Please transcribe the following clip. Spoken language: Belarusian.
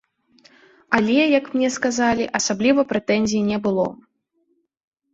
Але, як мне сказалі, асабліва прэтэнзій не было.